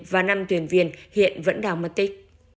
và năm tuyển viên hiện vẫn đảo mất tích